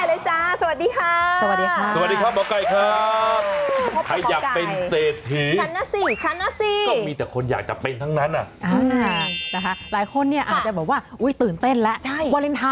เราต้องรับหมอไก่ไว้จ้ะสวัสดีค่ะ